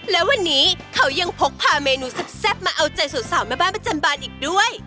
และวันนี้เขายังพกพาเมนูแซ่บมาเอาใจสาวแม่บ้านประจำบานอีกด้วย